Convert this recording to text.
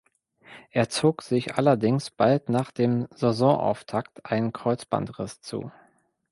Er zog sich allerdings bald nach dem Saisonauftakt einen Kreuzbandriss zu.